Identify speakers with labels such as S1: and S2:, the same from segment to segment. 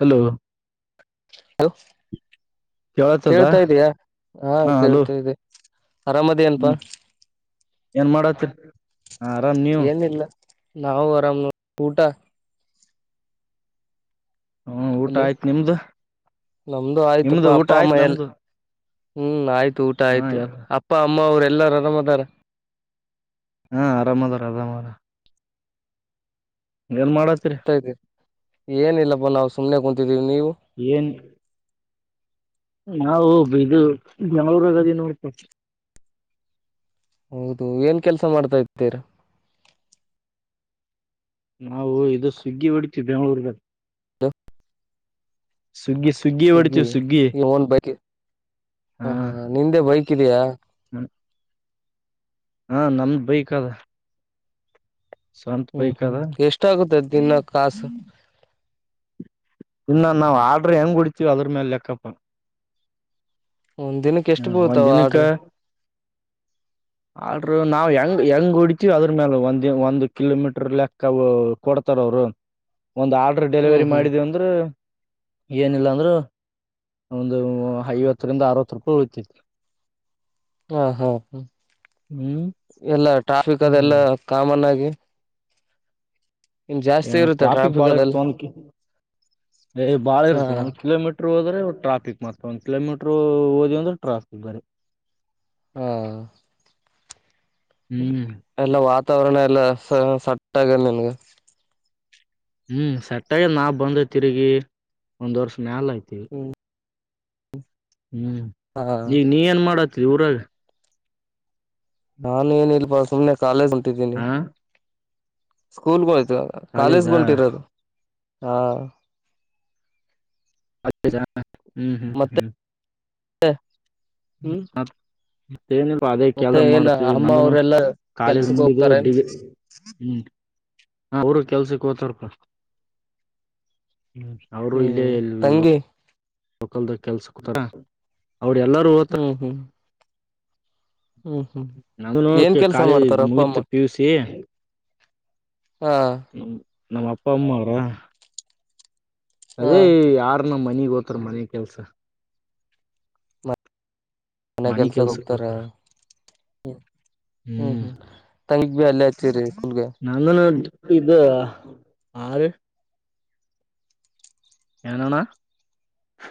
S1: Hello,
S2: hello,
S1: ಕೇಳತದ
S2: ಕೇಳ್ತಾ ಇದೆ. ಹಾ ಕೇಳ್ತಾ ಇದೆ ಅರಾಮದಿ ಏನಪ್ಪಾ
S1: ಏನ್ ಮಾಡತ್ತರಿ ಆರಾಮ್ ನೀವು
S2: ಏನಿಲ್ಲ ನಾವು ಆರಾಮ್ ನೋಡಊಟ
S1: ಹ್ಮ ಊಟ
S2: ಅಲೋ,
S1: ಆಯ್ತ್ ನಿಮ್ದು
S2: ನಮ್ದು ಆಯ್ತಪ್ಪ
S1: ನಿಮ್ದು ಊಟ
S2: ಅಪ್ಪ
S1: ಆಯ್ತ್
S2: ಅಮ್ಮ ಎಲ್ಲಾ
S1: ನಮ್ದು
S2: ಹ್ಮ್, ಆಯ್ತು ಊಟ
S1: ಹಾ
S2: ಆಯ್ತು ಅಪ್ಪ ಅಮ್ಮ ಅವ್ರು ಎಲ್ಲಾರ ಆರಾಮದಾರ.
S1: ಹಾ, ಅರಾಮ್ ಆದಾರ ಅರಾಮ್ ಏನ್ ಮಾಡತ್ತರಿ?
S2: ಏನಿಲ್ಲಪ್ಪ ನಾವು ಸುಮನೆ ಕುಂತಿದ್ದೀವಿ ನೀವು
S1: ಏನ್ [inaudible] ನಾವು ಇದು ಬೆಂಗಳೂರಾಗದಿವಿ ನೋಡಪ್ಪ.
S2: ಹೌದು! ಏನ್ ಕೆಲ್ಸ ಮಾಡ್ತೀರಾ
S1: ನಾವು ಇದು ಸ್ವಿಗ್ಗಿ ಹೊಡಿತೀವಿ ಬೆಂಗಳೂರಗ. ಸ್ವಿಗ್ಗಿ
S2: ಸುಗ್ಗಿ
S1: ಒಡಿತಿವಿಸುಗ್ಗಿ
S2: ಈ ಓನ್ ಬೈಕ್
S1: ಹಾ
S2: ನಿಂದೆ ಬೈಕ್ ಇದಿಯಾ
S1: ಹಾ, ನಂದುಬೈಕಾದ ಸ್ವಂತ್
S2: ಹ್ಮ್ ಹ್ಮ್
S1: ಬೈಕಾದ
S2: ಎಷ್ಟಾಗುತ್ತೆ ದಿನ ಕಾಸು
S1: ಇಲ್ಲಾನಾವು ಆಡ್ರ ಹೆಂಗ್ ಹೋಡ್ತೀವಿ ಅದ್ರ ಮೇಲೆ ಲೆಕ್ಕಪ್ಪಾ. -
S2: ಒಂದ್ ದಿನಕ್ಕೆ ಎಷ್ಟು
S1: ಒಂದ್
S2: ಬುಳ್ತಾವ
S1: ದಿನಕ್ಕ
S2: ಆರ್ಡ್ರ
S1: ಆಡ್ರ ನಾವ್ ಹೆಂಗ್, ಹೆಂಗ್ ಹೊಡತೀವಿ ಅದ್ರ ಮೇಲ, ಒಂದ ಒಂದು ಕಿಲೋಮೀಟರ್ ಲೆಕ್ಕ ಕೊಡ್ತಾರ ಅವರು. ಒಂದು ಆರ್ಡ್ರ
S2: ಹ್ಮ್
S1: ಡೆಲಿವರಿ
S2: ಹ್ಮ್
S1: ಮಾಡಿದ ಅಂದ್ರ ಏನಿಲ್ಲ ಅಂದ್ರೆ ಒಂದು ಐವತ್ತರಿಂದ ಅರವತ್ತು ಪ ಹೋಗ್ತೈತ [inaudible]
S2: ಹಾ, ಹಾ, ಹ
S1: ಹ್ಮ್
S2: ಎಲ್ಲ ಟ್ರಾಫಿಕ್ ಅದೆಲ್ಲಾ
S1: ಹ್ಮ್
S2: ಕಾಮನ್ ಆಗಿ. ಇನ್
S1: ಏ
S2: ಜಾಸ್ತಿ
S1: ಅಣ್ಣ
S2: ಇರುತ್ತೆ
S1: ಟ್ರಾಫಿಕ್ ಬಾಳ
S2: ಅದೆಲ್ಲ
S1: ಇರ್ತ ಒಂದ ಬಾಳ
S2: ಹಾ
S1: ಇರ್ತದ. ಒಂದ ಕಿಲೋಮೀಟರ್ ಒಂದು ಕೀಲೊಮೀಟರಹೋದ್ರೆ ಟ್ರಾಪಿಕ್, ಒಂದು ಕಿಲೋಮೀಟರ ಹೋದ್ರೆಟ್ರಾಫಿಕ್ [inaudible]
S2: ಹಾ
S1: ಹ್ಮ್ ಹ್ಮ್ಮ್
S2: ಎಲ್ಲ ವಾತಾವರಣ ಎಲ್ಲ ಸ ಸಟ್ ಆಗಲ್ಲ ನಂಗ್
S1: ಹ್ಮ್ ಸಟ್ಟ ಆಗದ ನಾ ಬಂದ ತಿರುಗಿ ಒಂದ್ ವರ್ಷ ಮ್ಯಾಲ ಆಯ್ತಾ ಈಗ ಹ್ಮ್
S2: ಹ
S1: [inaudible] ಈಗ ನೀ ಏನ್ ಮಾಡತಿ ಊರಾಗ
S2: ನಾನು ಏನ ಇಲ್ಲಪಾ ಸುಮ್ನೆ ಕಾಲೇಜ ಹೊಂಟಿದ್ದೆ ನೋಡ
S1: ಹಾ
S2: ಸ್ಕೂಲ್ಗ್ತ ಗೆ ಹೋಯ್ತ ಕಾಲೇಜ್
S1: ಕಾಲೇಜಾ
S2: ಹೊಂಟಿರೊದ
S1: ಹತ್ತ ಜನ [unintelligible] ಹ್ಮ್ ಹ್ಮ್ಮ್ ಹ್ಮ್ಮ್
S2: [inaudible] ಹ್ಮ್
S1: [unintelligible] ಏನಲ್ ಅದೇ ಕೆಲ
S2: ಮತ್ತೆ ಏನ
S1: ಮಾಡ್ತೀವಿ
S2: ಅಮ್ಮ
S1: ನಂದನು
S2: ಅವರೆಲ್ಲಾ
S1: ಕಾಲೇಜ್
S2: ಕೆಲ್ಸಕ್
S1: ಮುಗಿದು
S2: ಹೋಗ್ತಾರೆ
S1: ಡಿಗ್ರಿ ಹ್ಮ್ ಅವರು ಕೆಲ್ಸಕ್ಕೆ ಹೋತಾರಪ [inaudible] ಹ್ಮ್ ಅವರು ಇಲ್ಲೇ
S2: ಹ್ಮ್
S1: ಲೋಕ
S2: ತಂಗಿ
S1: ಲೋಕಲ್ ದಾಗ ಕೆಲ್ಸಕ್ಕ್ ಹೊಕ್ಕರ ಅವರು ಎಲ್ಲರೂ
S2: [inaudible] ಹ್ಮ್ ಹ್ಮ್
S1: ಅವನು
S2: ಏನ್
S1: ಅಂತು
S2: ಕೆಲ್ಸ
S1: ಕಾಲೇಜ
S2: ಮಾಡ್ತಾರ ಅಪ್ಪ ಅಮ್ಮ
S1: ಮುಗೀತು ಪಿ ಯು ಸಿ
S2: ಹಾ
S1: ನಮ್ಮ ಅಪ್ಪ ಅಮ್ಮ ಅವರಾ
S2: ಹಾ
S1: ಅದೇ ಯಾರನ ಮನಿ ಗೊತ್ತ ಇದ್ರ ಮನೆ ಕೆಲ್ಸ
S2: ಮನೆ
S1: ಮನಿ
S2: ಕೆಲ್ಸಕ್ಕೆ
S1: ಕೆಲ್ಸಕ್
S2: ಹೋಗ್ತಾರ?
S1: ಹೋತಾರ
S2: [inaudible] ಹ್ಮ್ ಹ್ಮ್ ತಂಗಿ ಗು ಅಲ್ಲೇ ಹಚ್ಚಿರಿ ಸ್ಕುಲ್ಗೆ.
S1: ನಂದು ನಂದ್ ದುಡ್ಡ [unintelligible] ಹಾ ಬೆ ಏನ್ ಅಣ್ಣಾ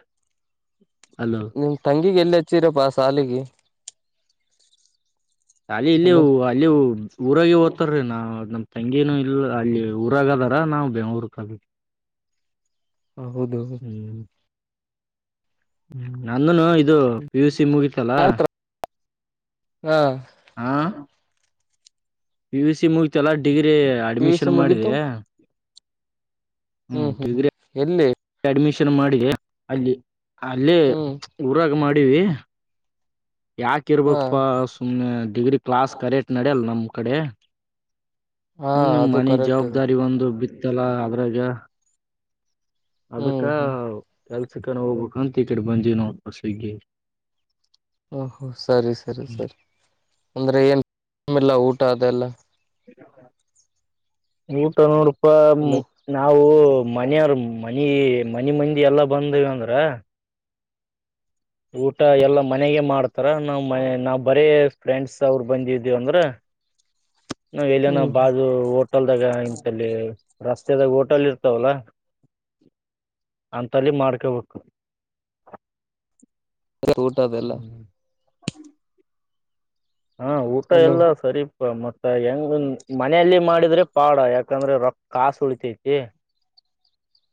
S1: [inaudible] ಹಲೋ
S2: ನಿಮ್ ತಂಗಿಗೆ ಎಲ್ಲಿ ಹಚ್ಚಿರಪ್ಪಾ ಸಾಲಿಗೆ.
S1: ಸಾಲಿ ಇಲ್ಲಿಯೋ
S2: ಎಲ್ಲೋ
S1: ವ ಅಲ್ಲಿ ಊರಾಗ ಓದ್ತಾರೀ ನಾ ನಮ್ಮ ತಂಗಿನೂ ಇಲ್ಲ ಅಲ್ಲಿ ಊರಾಗ ಅದಾರ ನಾವು ಬೆಂಗಳೂರು ಕ ಹ್ಮ
S2: ಹೌದು ಹೌದ
S1: ಹ್ಮ ನಂದನು ಇದು ಪಿ ಯು ಸಿ ಮುಗಿತ
S2: [unintelligible] ಹಾ
S1: ಹಾ ಪಿ ಯು ಸಿ ಮುಗಿತ ಎಲ್ಲ degree
S2: P U C
S1: admission
S2: ಮುಗೀತು
S1: ಮಾಡಿದೆಯಾ ಹ್ಮ್ ಡಿಗ್ರಿ [inaudible] ಅಡ್ಮಿಷನ್ ಮಾಡಿದೆ [unintelligible] ಅಲ್ಲಿ [unintelligible] ಅಲ್ಲಿ
S2: ಹ್ಮ್
S1: ಊರಾಗ ಮಾಡವಿ ಯಾಕ
S2: ಹಾ
S1: ಇರ್ಬೇಕಪ್ಪಾ ಸುಮ್ನೆ ಡಿಗ್ರಿ ಕ್ಲಾಸ್ ಕರೆಟ್ ನಡಲ್ ನಮ್ ಕಡೆ
S2: ಹಾ
S1: ಸುಮ್ನ್
S2: ಅದು
S1: ಮನೆ
S2: ಕರೆಕ್ಟ್ ಇದೆ
S1: ಜವಾಬ್ದಾರಿ ಒಂದು ಬಿತ್ತಲ್ಲ ಅದ್ರಾಗ ಅದಕ್ಕ
S2: ಹ್ಮ್ ಹ್ಮ್
S1: ಕೆಲ್ಸಕ್ಕನ ಹೋಗ್ಬೇಕ ಅಂತ ಈ ಕಡೆ ಬಂದವಿ ನಾವ ಫಸ್ಟ್ ಗೆ
S2: ಹು ಹು ಸರಿ ಸರಿ ಸರಿ ಅಂದ್ರೆ ಏನಲ್ಲ ಊಟ ಅದೆಲ್ಲ
S1: [unintelligible] ಊಟ ನೋಡಪಾ ನಿ
S2: ಹಲೋ
S1: ನಾವು ಮನೆಯ್ರ ಮನಿ ಮನಿ ಮಂದಿ ಎಲ್ಲಾ ಬಂದವ ಅಂದ್ರ ಊಟ ಎಲ್ಲಾ ಮನೆಗೆ ಮಾಡ್ತಾರ ನಾವ್ ಮ ನಾವ್ ಬರೇ ಫ್ರೆಂಡ್ಸ್ ಅವರು ಬಂದಿದೇವಿ ಅಂದ್ರ
S2: [inaudible]
S1: [inaudible] ನಾವ ಎಲ್ಲಿನ
S2: ಹ್ಮ್
S1: ಬಾಜ ಓ ಬಂದಾಗ ಇಂತಲ್ಲಿ ರಸ್ತೆದಾಗ ಹೋಟೆಲ್ ಇರ್ತಾವಲ್ಲಾ ಅಂತಲ್ಲಿ ಮಾಡ್ಕೋಬೇಕು.
S2: ಊಟ ಅದೆಲ್ಲ
S1: ಹ್ಮ್ ಹಾ ಊಟ
S2: ಹಲೋ
S1: ಎಲ್ಲಾ ಸರಿಪ ಮತ್ತೆ ಹೆಂಗ ಮನೆಯಲ್ಲಿ ಮಾಡಿದ್ರೆ ಪಾಡ ಯಾಕಂದ್ರೆ ರೊಕ್ಕ ಕಾಸು ಉಳಿತೈತಿ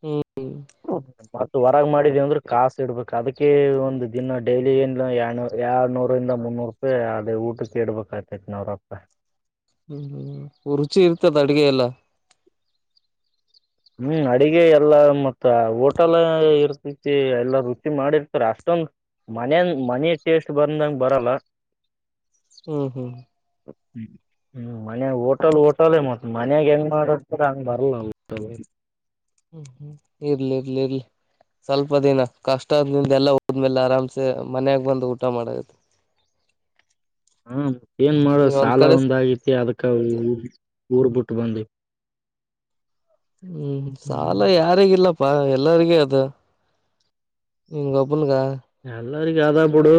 S2: ಹ್ಮ್
S1: ಓ ಮತ್ತ ಹೊರಗ ಮಾಡಿದೇವಿ ಅಂದ್ರೆ ಕಾಾಸ ಇಡ್ಬೇಕು ಅದಕ್ಕೆ ಒಂದು ದಿನ ಡೈಲಿ ಏ ಎರಡನೂರಿಂದ ಮುನ್ನೂರು ಅದೇ ಊಟಕ್ಕೆೇಡ್ಬೇಕ ಆ್ತತಿ ನಾವ್ರಪ್ಪ
S2: ಹ್ಮ್ ಹ್ಮ್ ರುಚಿ ಇರ್ತದ ಅಡಗೆ ಎಲ್ಲ
S1: ಹ್ಮ್ ಅಡಿಗೆ ಎಲ್ಲಾ ಮತ್ತ ಹೋಟಲ್ ಇರ್ತತಿ ಎಲ್ಲಾ ರುಚಿ ಮಾಡಿರ್ತಾರ ಅಷ್ಟೊಂದು ಮನೇನ್ ಮನೆ ಟೇಸ್ಟ್ ಬಂದಂಗ ಬರಲ್ಲಾ
S2: ಹ್ಮ್ ಹ್ಮ್
S1: ಹ್ಮ ಹ್ಮ್ ಮನ್ಯಾಗ ಹೋಟಲ್ ಹೋಟಲ್ಲೇ ಮತ್ತ ಮನ್ಯಾಗ ಹೆಂಗ್ ಮಾಡ ಹಂಗ್ ಬರ್ಲ್ಲ [unintelligible]
S2: ಹ್ಮ್ ಹ್ಮ್ ಇರ್ಲಿ ಇರ್ಲಿ ಇರ್ಲಿ ಸ್ವಲ್ಪ ದಿನ ಕಷ್ಟದಿಂದ ಎಲ್ಲಾ ಹೋದ್ಮೇಲೆ ಆರಾಮ್ಸೆ ಮನ್ಯಾಗ ಬಂದು ಊಟ ಮಾಡೋದ
S1: ಹಾ ಏನ್ ಮಾಡೋ
S2: ನೀನ್ ಒಂದ್
S1: ಸಾಲ
S2: ಕಡೆ
S1: ಒಂದಗೈತಿ ಅದಕ್ಕ ಊರ್ ಬಿಟ್ಟು ಬಂದ್ವಿ
S2: ಹ್ಮ್
S1: ಹ್ಮ್
S2: ಸಾಲ ಯಾರಿಗಿಲ್ಲಪ್ ಎಲ್ಲರಿಗೂ ಅದು ನಿನ್ಗೊಬ್ಬನಗ
S1: ಎಲ್ಲರಿಗೂ ಅದ ಬಿಡು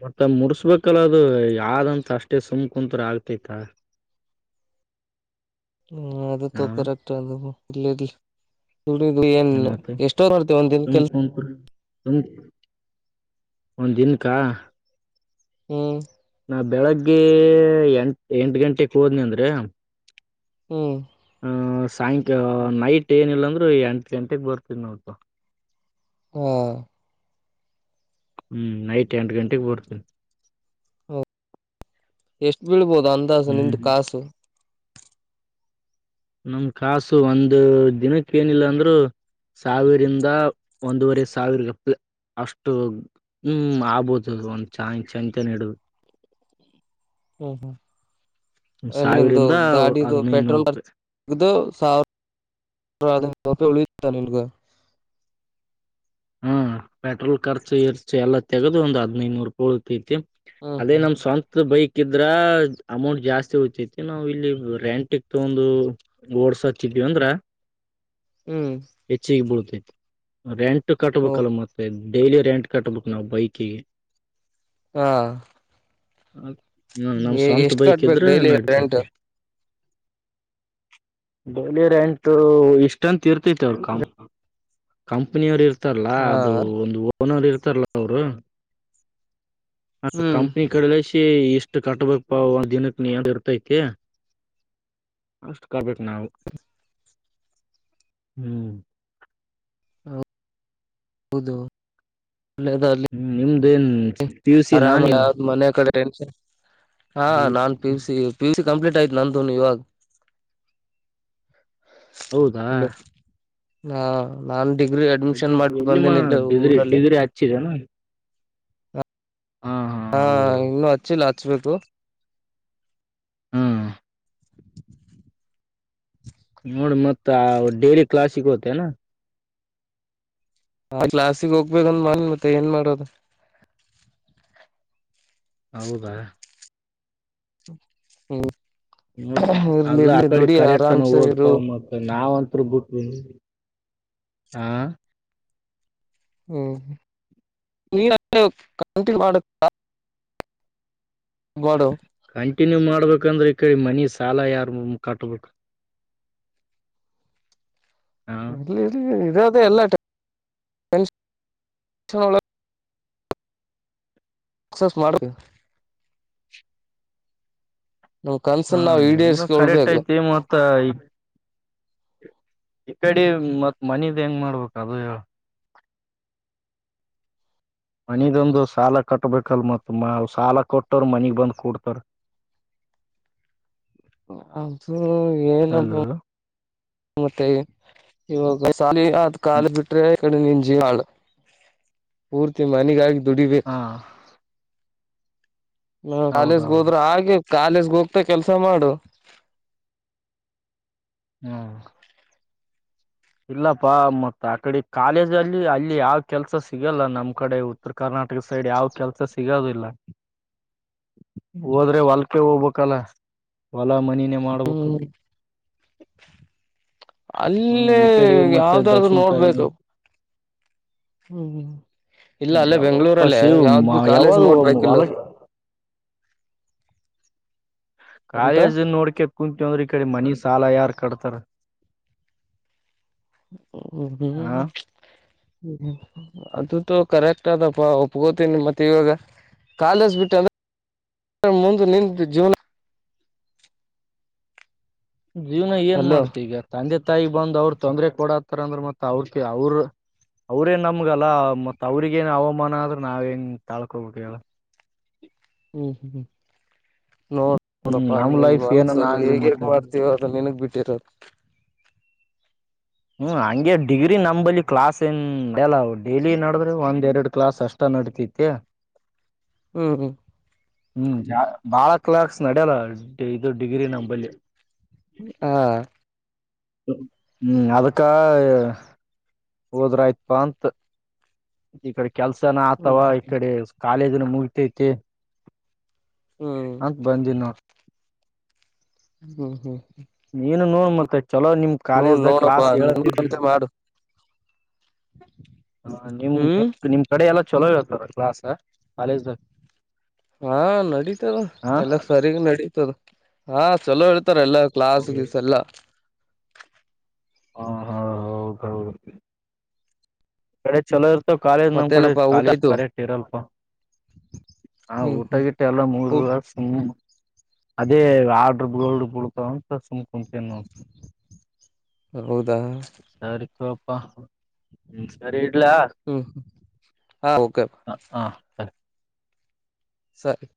S1: ಮತ್ತ ಮುಡಸ್ಬೇಕಲ್ಲ ಅದು ಯಾವ್ದಂತ ಅಷ್ಟೇ ಸುಮ್ ಕುತ್ ಆಗ್ತೈತ
S2: [inaudible] ಹ್ಮ ಅದು
S1: ಹ
S2: ತ ಕರೆಕ್ಟ್ ಅದು ಇಲ್ರಿ ಇಲ್ರಿ ದು ಏನ್
S1: ಮತ್ತೆ
S2: ಎಷ್ಟೋ ಮಾಡ್ತೇವ ಒಂದಿನ ಕೆಲಸ
S1: [unintelligible] ಒ ಒಂದಿನಕ
S2: ಹ್ಮ್
S1: ನಾ ಬೆಳಗ್ಗೆ ಎಂಟ್ ಎಂಟ ಗಂಟೆಕ್ ಹೋದ್ನಿ ಅಂದ್ರೆ
S2: ಹ್ಮ್
S1: ಆ ಸಾಯಂಕ ನೈಟ್ ಏನಿಲ್ಲಾಂದ್ರೆ ಎಂಟ ಗಂಟೆಗೆ ಬರ್ತದ ನೋಡ್ತ
S2: ಹ್ಮ
S1: ಹ್ಮ್ ನೈಟ್ ಎಂಟು ಗಂಟೆಗೆ ಬರ್ತೇನೆ
S2: ಎಷ್ಟು ಬೀಳ್ಬೋದು ಅಂದಾಜು ನಿಂದ
S1: ಹ್ಮ್
S2: ಕಾಸು
S1: ನಮ್ ಕಾಸು ಒಂದು ದಿನಕ್ಕೆ ಏನಿಲ್ಲ ಅಂದ್ರರು ಸಾವಿರಿಂದ ಒಂದೂವರೆ ಸಾವಿರ ಅಷ್ಟು ಹ್ಮ್ ಆಗ್ಬೋದು ಒಂದು ಚಾ ಚಂತನ ಹಿಡುದು
S2: ಹ್ಮ್ ಹ್ಮ್ ಎಲ್ಲಿ ನಿಂದು
S1: ಸಾವಿರಿಂದ
S2: ಗಾಡಿದು
S1: ಹದ್ನೈದು ನೂರು
S2: ಪೆಟ್ರೋಲ್ ಬರ್
S1: ರೂಪಾಯಿ
S2: [unintelligible]
S1: ಹ್ಮ ಪೆಟ್ರೋಲ್ ಖರ್ಚು ಗಿರ್ಚ ಎಲ್ಲಾ ತೆಗೆದು ಒಂದ ಹದನೈದನೂರು ರೂಪಾಯಿ ಉಳತೈತಿ
S2: ಹ್ಮ್
S1: ಅದೇ
S2: ಹ್ಮ್
S1: ನಮ್ ಸ್ವಂತ್ ಸ್ವಂತ ಬೈಕ್ ಇದ್ರ ಅಮೌಂಟ್ ಜಾಸ್ತಿ ಉಳಿತೈತಿ ನಾವು ಇಲ್ಲಿ ರೆಂಟ್ ಇ ತಗೋಂದು ಓಡ್ಸ ಕಡ್ವಿ ಅಂದ್ರ
S2: ಹ್ಮ್
S1: ಹೆಚ್ಚಿಗೆ ಬಿಳಿತೈತಿ ರೆಂಟ್
S2: ಓ
S1: ಕಟ್ಬೇಕಲ್ಲ ಮತ್ತೆ ಡೈಲಿ ರೆಂಟ್ ಕಟ್ಬೇಕು ನಾವು ಬೈಕಿಗೆ
S2: ಹಾ
S1: ನಮ ಸ್ವಂತ
S2: ಎಷ್ಟ್
S1: ಬೈಕ್
S2: ಕಟ್ಬೇಕು
S1: ಇದ್ರೆ
S2: ಡೈಲಿ ರೆಂಟ್
S1: ನಡತೈತೆ ಡೆಲಿ ರೆಂಟ್ ಇಷ್ಟಂತ ಇರ್ತತೆ ಕಾಮ್ ಕಂಪನಿಯ ಅವರು ಇರ್ತಾರಲ್ಲಾ
S2: ಹಾ
S1: ಅದು ಒಂದು ಓನರ್ ಇರ್ತಾರಲ್ಲ ಅವರು ಹ
S2: ಹ್ಮ್
S1: ಕಂಪನಿ ಕಡೆಲ್ಲಸಿ ಇಷ್ಟ ಅಷ್ಟ ಕಟ್ ಬೇಕಪಾ ಒಂದ್ ದಿನಕ್ಕೆ ಇರ್ತೈತಿ ಅಷ್ಟು ಕಟ್ಬೇಕ ನಾವ ಹ್ಞ
S2: [unintelligible]
S1: ಹ್ಮ ನಿಮ್ದೇನ್ ಪಿ ಯು ಸಿ ನಾ
S2: ಆರಾಮ
S1: ನೀವು
S2: ಯಾವ್ದ್ ಮನ ಕಡೆ ಟೆನ್ಷನ್ ಹ ನಾನ್ P C P C complete ಆಯತ ನಂದುನು ಇವಾಗ
S1: ಹೌದಾ
S2: ಹಲೋ ನಾ ನಾನ್ ಡಿಗ್ರಿ ಅಡ್ಮಿಷನ್ ಮಾಡಿ ಬಂದೇನ ಇಲ್ಲಿ ಊರಲ್ಲಿ
S1: ಹಚ್ಚಿದೆನ್ ಹಾ ಹಾ
S2: ಹಾ
S1: ಹೌದು
S2: ಇನ್ನುೂ ಹಚ್ಚಿಲ್ಲ ಹಚ್ಬೇಕು
S1: ಹ್ಮ್ ನೋಡಿ ಮತ್ ಡೈಲಿ ಕ್ಲಾಸ್ ಹೋಗತ್ತಿನ
S2: ಆ ಕ್ಲಾಸಿಗೆ ಹೋಗ್ಬೇಕ ಅಂದ್ ಮಾಡನ್ ಮತ್ತೆ ಏನ್ ಮಾಡೋದು
S1: ಹೌದಾ
S2: ಹ್ಮ
S1: ನೋ ಅದ ಆ ಕಡೆ ಕರೆಕ್ಟ್ನ
S2: ಆರಾಮ್ಸೆ
S1: ಓದ್ಪ
S2: ಇರು
S1: ಮ ನಾವ್ಂತ್ ಬಿಟ್ಟ ಹ ಹಾ
S2: ಹ್ಮ್ ನೀಂಟನ್ ಮಾಡ [unintelligible] [unintelligible]
S1: ಕಂಟಿನ್ಯೂ ಮಾಡ್ಬೇಕಂದ್ರೆ ಈ ಕಡೆ ಮನಿ ಸಾಲ ಯಾರ ಕಟ್ಬೇಕು
S2: [inaudible]
S1: ಹಾ
S2: ಎಲ್ಲಾ [unintelligible] [unintelligible] ಸಕ್ಸಸ್ ಮಾಡ್ತನ ನಮ್
S1: ಹಾ
S2: ಕನ್ಸನ್ ನಾವ್
S1: ನಿಮ್ದು ಕರೆಕ್ಟ್
S2: ಈಡೇರ್ಸ್ಕೊಳ್ಬೇಕು
S1: ಐತಿ ಮತ್ತ ಈ ಕಡೆ ಮತ್ ಮನಿದ್ ಹೆಂಗ್ ಮಾಡ್ಬೇಕ ಅದ ಹೇಳ ಮನಿಂದ ಒಂದು ಸಾಲ ಕಟ್ಬೇಕಲ್ ಮತ್ ಮಾ ಸಾಲ ಕೊಟ್ಟರು ಮನಿಗ್ ಬಂದ್ ಕೂಡ್ತಾರ
S2: ಅದು
S1: ಅಲೋ
S2: ಏನಪ್ಪ ಮತ್ತೆ ಇವಾಗಾಲ ಆದ ಕಾಲಿ ಬಿಟ್ರೆ ಕಡೆ ನೀನ್ ಜೀವಾಳ ಪೂರ್ತಿ ಮನೆಗಾಗಿ ದುಡಿಬೇಕು
S1: ಹಾ
S2: ಹ್ಮ ಕಾಲೇಜ್ಗೆ
S1: ಹೌದೌದು
S2: ಹೋದ್ರರು ಹಾಗೆ ಕಾಲೇಜ್ ಹೋಗ್ತಾ ಕೆಲ್ಸ ಮಾಡು
S1: ಹ್ಮ ಇಲ್ಲಪ್ಪಾ ಮತ್ತ ಆ ಕಡೆ ಕಾಲೇಜ ಅಲ್ಲಿ ಅಲ್ಲಿ ಯಾವ ಕೆಲ್ಸ ಸಿಗಲ್ಲ ನಮ್ ಕಡೆ ಉತ್ತರ ಕರ್ನಾಟಕ ಸೈಡ್ ಯಾವ್ ಕೆಲಸ ಸಿಗೋದಿಲ್ಲ
S2: ಹ
S1: ಹೋದ್ರೆ ಹೊಲ್ಕೆ ಹೋಗ್ಬೇಕಲ್ಲ ಹೊಲ ಮನಿನೇ ಮಾಡ್ಬೇಕ ಹ್ಮ್
S2: ಅಲ್ಲಿ
S1: ಈ ಕಡೆ ಮತ್ತೆ
S2: ಯಾವ್ದಾದ್ರು
S1: ದಕ್ಷಿಣ ಕಾಯಿ
S2: ನೋಡ್ಬೇಕು ಹ್ಮ್ ಇಲ್ಲ ಅಲ್ಲೇ
S1: ಯಾವಪ
S2: ಬೆಂಗ್ಗಳೂರಲ್ಲೇ
S1: ಶಿವ್
S2: ಯಾವ್ದ್ ಬಿ ಕಾಲೇಜ್
S1: ಯಾವಾಗ
S2: ನೋಡ್ಬೇಕಿಲ್
S1: ಹೊಲ
S2: ಎಂತ
S1: ಕಾಲೇಜ ನೋಡ್ಕ ಕುಂತ ಅಂದ್ರ ಈ ಕಡೆ ಮನಿ ಸಾಲ ಯಾರ್ ಕಟ್ತಾರ
S2: ಓ ಹ್ಮ
S1: ಹ
S2: ಹ್ಮ್ ಅದು ಕರೆಕ್ಟ್ ಅದಪ ಒಪ್ಕೋತೀನಿ ಮತ್ತೆ ಇವಾಗ ಕಾಲೇಜ್ ಬಿಟ್ಟ ಅಂದ್ರೆ [unintelligible] ಮುಂದ ನಿಂತ ಜೀವನ
S1: ಜೀವ್ನ ಏನ್
S2: ಅಲೋ
S1: ಮಾಡ್ತಿ ಈಗ ತಂದೆ ತಾಯಿ ಬಂದ್ ಅವ್ರ ತೊಂದ್ರೆ ಕೊಡತ್ತಾರ ಅಂದ್ರ ಮತ್ತತ್ ಅವ್ರಕ ಅವ್ರ ಅವ್ರೇನ್ ನಮ್ಗಲ್ಲ ಮತ್ ಅವ್ರಿಗ ಏನ್ ಅವಮಾನ ಅಂದ್ರೆ ನಾವೇಂಗ್ ತಾಳ್ಕೊಬೇಕ್ ಹೇಳ್.
S2: ಹ್ಮ್ ಹ್ಮ್ ಹ್ಮ್ ನೋ
S1: ಹ್ಮ್
S2: ನೋಡಪ್ಪಾ
S1: ನಮ್
S2: ನಿನ್
S1: ಲೈಫ್ ಏನನ್
S2: ಮನ್ಸು
S1: ಆಗ್ಲಿ
S2: ಹೇಗ್ ಹೇಗ್
S1: ಮತ್ತೆ
S2: ಮಾಡ್ತೀವ ಅದ ನಿನಗ್ ಬಿಟ್ಟಿರೋದು.
S1: ಹ್ಮ್ ಹಂಗೆ ಡಿಗ್ರಿ ನಂಬಲಿ ಕ್ಲಾಸ್ ಏನ್ ಇರಲ್ಲ ಡೈಲಿ ನಡದ್ರೆ ಒಂದ್ ಎರಡ್ ಕ್ಲಾಸ್ ಅಷ್ಟ ನಡತಿ ತಿ.
S2: ಹ್ಮ್ ಹ್ಮ್.
S1: ಹ್ಮ್ ಬಾಳ ಕ್ಲಾಕ್ಸ್ ನಡ್ಯಲ್ಲ ಇದು ಡಿಗ್ರಿ ನಮ್ಮಂಬಳಿ.
S2: ಹಾ.
S1: ಹ್ಮ್ ಅದಕ್ಕ ಹೋದ್ರಾಯ್ತ್ಪಾ ಅಂತ. ಈ ಕಡೆ ಕೆಲ್ಸನು ಆಗ್ತವ
S2: ಹ್ಮ್
S1: ಈ ಕಡೆ ಕಾಲೇಜುನು ಮುಗತೈತಿ.
S2: ಹ್ಮ್
S1: ಮತ್ ಬಂದಿ ನೋಡು.
S2: ಹ್ಮ್ ಹ್ಮ್.
S1: ನೀನು ನೋ ಮತ್ತೆ ಚಲೋ ನಿಮ್ ಕಾಲೇಜ್
S2: ನೋಡ್
S1: ದಾಗ್
S2: ನೋಡಪ್ಪಾ
S1: ಕ್ಲಾಸ್ ಹೇಳ್ತಿದ್ರ್.
S2: ನಿನ್ಕಂತೆ ಮಾಡು
S1: ಹಾ ನಿಮ್
S2: ಹ್ಮ್
S1: ಟಿಪ್ ನಿಮ್ ಕಡೆ ಎಲ್ಲಾ ಚೊಲೋ ಇರ್ತದ ಕ್ಲಾಸ್ ಕಾಲೇಜ್ ನಲ್
S2: ಹಾ ನಡೀತದ
S1: ಹ ಹ
S2: ಎಲ್ಲ ಸರಿಗ್ ನಡಿತದ ಹಾ ಚಲೋ ಹೇಳ್ತಾರ ಎಲ್ಲ. ಕ್ಲಾಸ್ ಗೀಸ್ ಎಲ್ಲ.
S1: ಹಾ ಹಾ ಹೌದ್ ಹೌದ್. ಕಡೆ ಚಲೋ ಇರ್ತವ ಕಾಲೇಜ್ ನಮ್ ಕಡೆ
S2: ಮತ್ತೇನಪ್ಪಾ ಊಟ
S1: ಕಾಲೇಜ್
S2: ಆಯ್ತು
S1: ಕರೆಟ್ ಇರಲ್ಪ. ಹಾ
S2: ಹ್ಮ್
S1: ಊಟ ಗಿಟ್ಟ ಎಲ್ಲ
S2: ಹ್ಮ್
S1: ಮುಗಿದವ ಸುಮ್ನೆ ಹಿಂಗೆ ಅದೇ ಆರ್ಡ್ರ ಗಳು ಬೂಳ್ತವ ಅಂತ ಸುಮ್ ಕುಂತೀನ್ ನೋಡು.
S2: ಹೊ ಹೌದಾ.
S1: ಸರಿ [unintelligible] ಸರಿ ಇಡ್ಲಾ
S2: ಹ್ಮ್ ಹಾ ಓಕೆ
S1: ಹಾ ಹಾ.
S2: ಸರಿ.